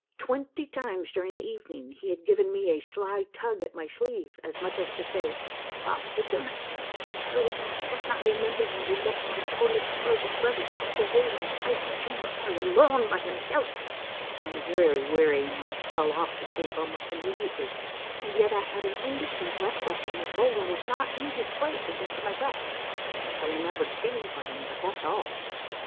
Twenty times during the evening he had given me a sly tug at my sleeve as much as to say, —" Come, little master, let's hurry back ; dost not remember that we left* my poor little frozen brother tucked away in that icy chamber all alone by himself?" I was very weary and I fell olf to sleep almost immediately, and yet I had an indistinct rec BULGER SHOWS THE BARON SOMETHING WONDERFUL. A MARVELLOUS UNDERGROUND JOURNEY 181 ollection that Bulger was not in his place against my breast. I remembered feeling for him, but that's all.